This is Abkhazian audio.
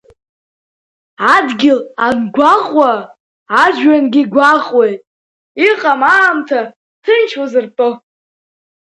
Адгьыл ангәаҟуа ажәҩангьы гәаҟуеит, иҟам аамҭа ҭынч уазыртәо.